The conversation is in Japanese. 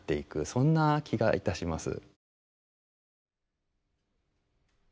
そんな気がいたします。